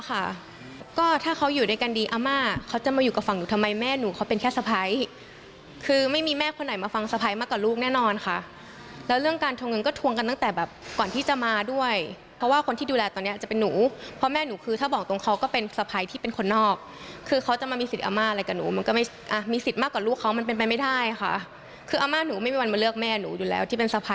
ได้แล้วค่ะก็ถ้าเขาอยู่ในการดีอาม่าเขาจะมาอยู่กับฝั่งหนูทำไมแม่หนูเขาเป็นแค่สะพ้ายคือไม่มีแม่คนไหนมาฟังสะพ้ายมากกว่าลูกแน่นอนค่ะแล้วเรื่องการทวงเงินก็ทวงกันตั้งแต่แบบก่อนที่จะมาด้วยเพราะว่าคนที่ดูแลตอนนี้จะเป็นหนูเพราะแม่หนูคือถ้าบอกตรงเขาก็เป็นสะพ้ายที่เป็นคนนอกคือเขาจะมามีสิทธิ์